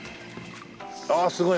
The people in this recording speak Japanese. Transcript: ああすごい。